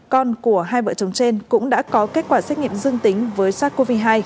con của hai vợ chồng trên cũng đã có kết quả xét nghiệm dương tính với sars cov hai